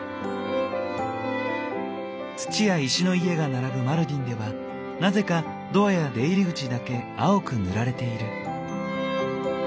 土や石の家が並ぶマルディンではなぜかドアや出入り口だけ青く塗られている。